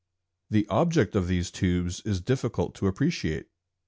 The object of these tubes is difficult to appreciate.